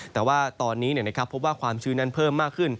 แต่ว่าตอนนี้พบว่าความชื้นนั้นเพิ่มมากขึ้น